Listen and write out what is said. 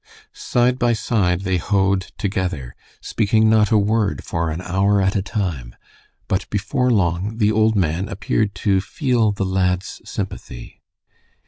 Side by side they hoed together, speaking not a word for an hour at a time, but before long the old man appeared to feel the lad's sympathy.